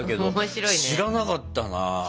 知らなかった？